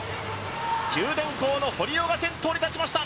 九電工の堀尾が先頭に立ちました。